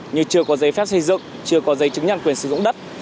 như chưa có giấy phép xây dựng chưa có giấy chứng nhận quyền sử dụng đất